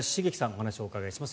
お話をお伺いします。